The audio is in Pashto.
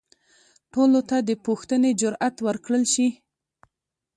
ټولو ته د پوښتنې جرئت ورکړل شي.